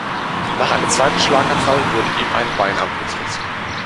Nach einem zweiten Schlaganfall wurde ihm ein Bein amputiert.